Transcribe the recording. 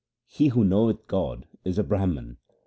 He who knoweth God is a Brahman.